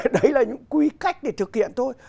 đấy là những quy cách để thực hiện thôi